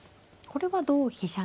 これは同飛車